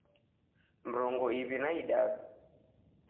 Mrongo iw'i na idadu